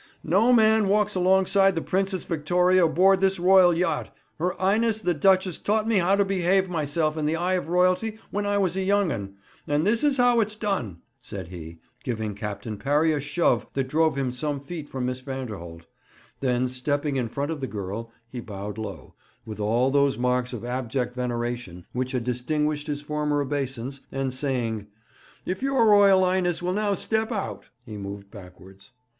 'No man walks alongside the Princess Victoria aboard this Royal yacht. Her 'Ighness the Duchess taught me how to behave myself in the eye of Royalty when I was a young un, and this is how it's done,' said he, giving Captain Parry a shove that drove him some feet from Miss Vanderholt; then, stepping in front of the girl, he bowed low, with all those marks of abject veneration which had distinguished his former obeisance, and saying, 'If your Royal 'Ighness will now step out,' he moved backwards.